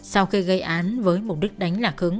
sau khi gây án với mục đích đánh lạc hứng